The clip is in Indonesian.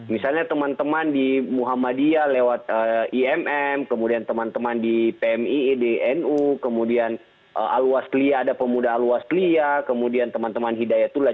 misalnya teman teman di muhammadiyah lewat imm kemudian teman teman di pmi ednu kemudian al wasliyah ada pemuda al wasliya kemudian teman teman hidayatullah